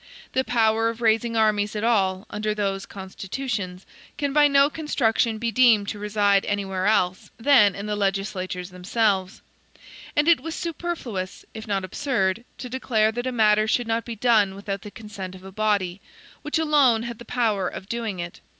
The power of raising armies at all, under those constitutions, can by no construction be deemed to reside anywhere else, than in the legislatures themselves; and it was superfluous, if not absurd, to declare that a matter should not be done without the consent of a body, which alone had the power of doing it.